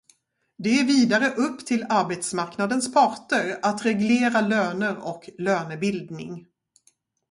Det är vidare upp till arbetsmarknadens parter att reglera löner och lönebildning.